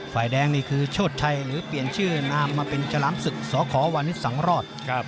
ฝ่ายแดงนี่คือโชชัยหรือเปลี่ยนชื่อนามมาเป็นฉลามศึกสขวานิสสังรอด